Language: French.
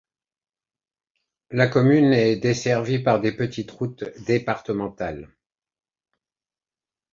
La commune est desservie par de petites routes départementales.